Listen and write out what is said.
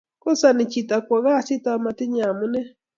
kosani chitok kwo kasit akomatinyei amunee